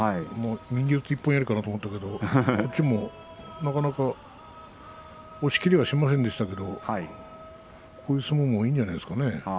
右四つ一本やりかなと思ったんですが押しきれはしませんでしたけれどこういう相撲もいいんじゃないですかね。